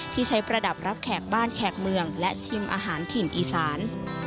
ที่ใช้ประดับรับแขกบ้านแขกเมืองและชิมอาหารถิ่นอีสาน